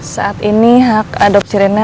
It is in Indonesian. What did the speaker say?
saat ini hak adopsi rendah